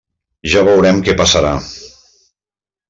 Ja veurem què passarà.